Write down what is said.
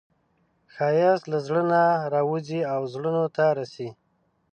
ښایست له زړه نه راوځي او زړونو ته رسي